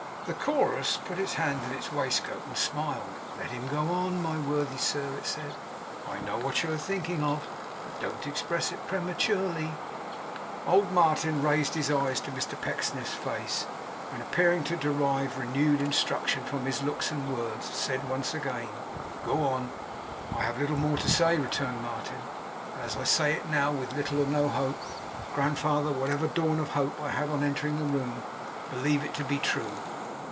The Chorus put its hand in its waistcoat, and smiled. 'Let him go on, my worthy sir,' it said. 'I know what you are thinking of, but don't express it prematurely.' Old Martin raised his eyes to Mr Pecksniff's face, and appearing to derive renewed instruction from his looks and words, said, once again: 'Go on!' 'I have little more to say,' returned Martin. 'And as I say it now, with little or no hope, Grandfather; whatever dawn of hope I had on entering the room; believe it to be true.